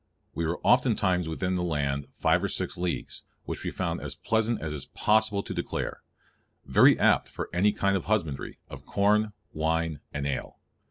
We were oftentimes within the land five or six leagues, which we found as pleasant as is possible to declare, very apt for any kind of husbandry, of corne, wine, and ayle.